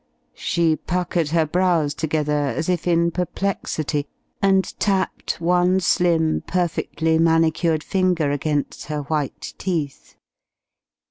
She puckered her brows together as if in perplexity and tapped one slim, perfectly manicured finger against her white teeth.